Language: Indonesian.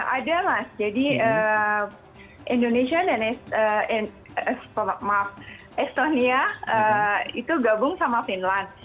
ada mas jadi indonesia dan estonia itu gabung sama finland